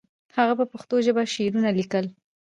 هغه په پښتو ژبه شعرونه لیکل.